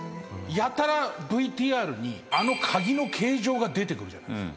やたらＶＴＲにあの鍵の形状が出てくるじゃないですか。